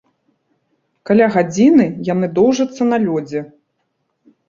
Каля гадзіны яны доўжацца на лёдзе.